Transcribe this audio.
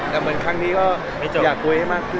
แต่เหมือนครั้งนี้ก็ไม่จบอยากคุยให้มากขึ้น